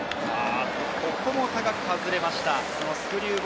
ここも高く外れました。